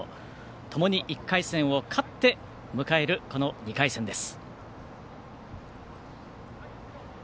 ともに１回戦を勝って迎えるこの２回戦です。